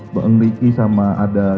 bang ricky sama ada